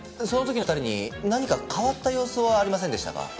その時の２人に何か変わった様子はありませんでしたか？